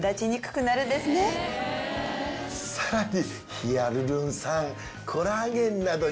さらに。